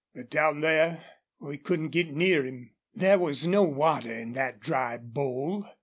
But down there we couldn't get near him." There was no water in that dry bowl.